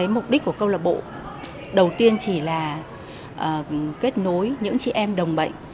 mục đích của câu lạc bộ đầu tiên chỉ là kết nối những chị em đồng bệnh